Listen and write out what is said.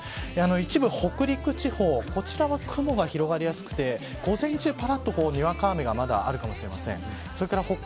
一部、北陸地方こちらは雲が広がりやすくて午前中ぱらっと、にわか雨がまだあるかもしれません。